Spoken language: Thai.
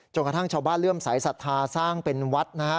กระทั่งชาวบ้านเริ่มสายศรัทธาสร้างเป็นวัดนะฮะ